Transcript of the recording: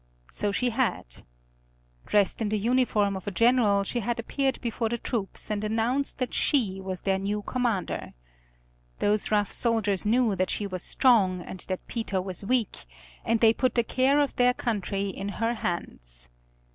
So she had. Dressed in the uniform of a general she had appeared before the troops, and announced that she was their new commander. Those rough soldiers knew that she was strong and that Peter was weak, and they put the care of their country in her hands.